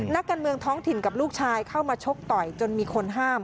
นักการเมืองท้องถิ่นกับลูกชายเข้ามาชกต่อยจนมีคนห้าม